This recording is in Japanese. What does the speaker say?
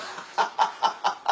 ハハハハハ！